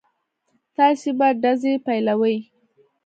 تاسې به ډزې پيلوئ.